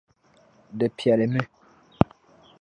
Di piɛlimi.